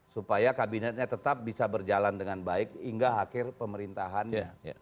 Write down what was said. supaya kabinetnya tetap bisa berjalan dengan baik hingga akhir pemerintahannya